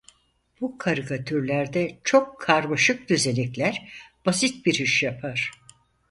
Bu karikatürlerde çok karmaşık düzenekler basit bir işi yapar.